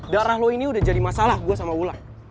darah lo ini udah jadi masalah gue sama ular